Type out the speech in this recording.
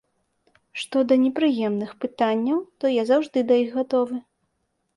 Што да непрыемных пытанняў, то я заўжды да іх гатовы.